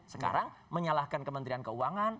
sekarang menyalahkan kementerian keuangan